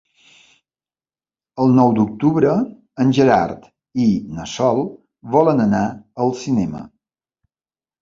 El nou d'octubre en Gerard i na Sol volen anar al cinema.